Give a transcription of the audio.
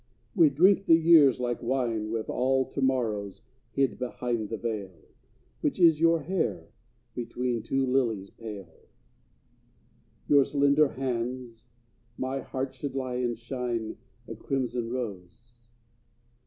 We'd drink the years like wine, With all to morrows hid behind the veil, Which is your hair; between two lilies pale Your slender hands my heart should lie and shine, A crimson rose.